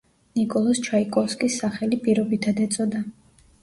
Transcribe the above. ნიკოლოზ ჩაიკოვსკის სახელი პირობითად ეწოდა.